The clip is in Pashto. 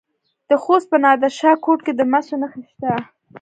د خوست په نادر شاه کوټ کې د مسو نښې شته.